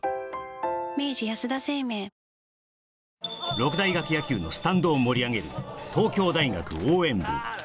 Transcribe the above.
六大学野球のスタンドを盛り上げる東京大学応援部